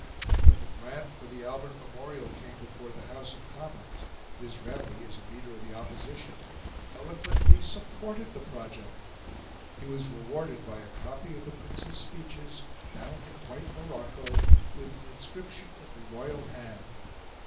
When the grant for the Albert Memorial came before the House of Commons, Disraeli, as leader of the Opposition, eloquently supported the project. He was rewarded by a copy of the Prince's speeches, bound in white morocco, with an inscription in the royal hand.